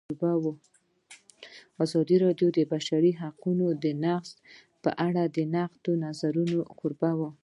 ازادي راډیو د د بشري حقونو نقض په اړه د نقدي نظرونو کوربه وه.